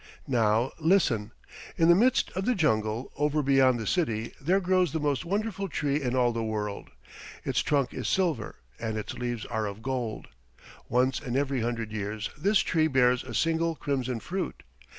Now listen! In the midst of the jungle over beyond the city there grows the most wonderful tree in all the world. Its trunk is silver, and its leaves are of gold. Once in every hundred years this tree bears a single crimson fruit.